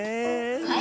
はい！